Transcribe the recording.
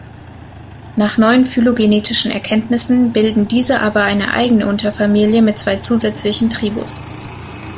Nach neuen phylogenetischen Erkenntnissen bilden diese aber eine eigene Unterfamilie mit zwei zusätzlichen Tribus.